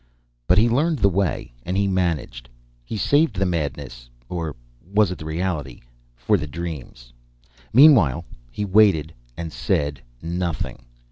But he learned the way, and he managed. He saved the madness (or was it the reality?) for the dreams. Meanwhile he waited and said nothing.